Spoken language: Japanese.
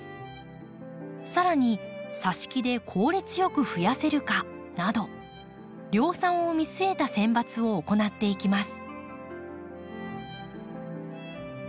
さらに挿し木で効率よく増やせるかなど量産を見据えた選抜を行っていきます。